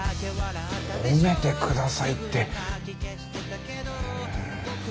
褒めて下さいって。